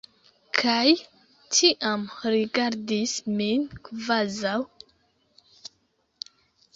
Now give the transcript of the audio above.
Kaj tiam rigardis min kvazaŭ...